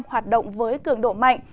hoạt động với cường độ mạnh